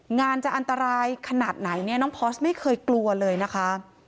งานจะอันตรายขนาดไหนเนี่ยน้องพอสไม่เคยกลัวเลยนะคะ